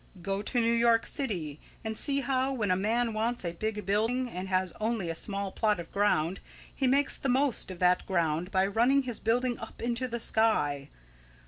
"Go to New York City and see how, when a man wants a big building and has only a small plot of ground, he makes the most of that ground by running his building up into the sky.